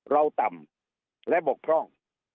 เราต่ำและบกพร่อง